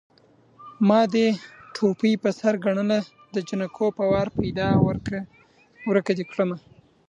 ما دې ټوپۍ په سر ګڼله د جنکو په وار پيدا ورکه دې کړمه